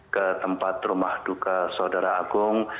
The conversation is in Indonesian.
ke tempat rumah duka saudara agung